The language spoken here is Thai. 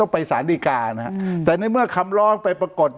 ต้องไปสานดีการณ์ฮะอืมแต่ในเมื่อคำล้องไปปรากฏ